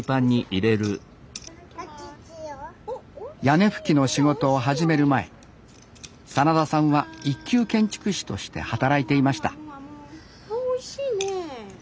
屋根葺きの仕事を始める前真田さんは一級建築士として働いていましたああおいしいね。